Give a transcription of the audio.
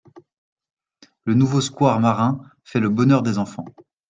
Le nouveau square marin fait le bonheur des enfants.